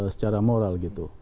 secara moral gitu